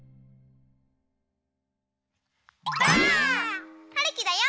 ばあっ！はるきだよ